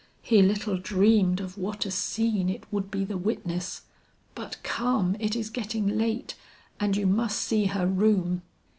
He little dreamed of what a scene it would be the witness. But come, it is getting late and you must see her room."